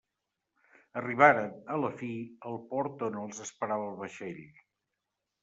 Arribaren, a la fi, al port on els esperava el vaixell.